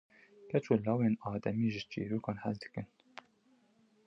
Keç û lawên ademî ji çîrokan hez dikin.